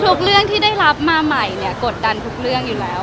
เรื่องที่ได้รับมาใหม่เนี่ยกดดันทุกเรื่องอยู่แล้ว